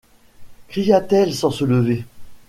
Cria-t-elle sans se lever.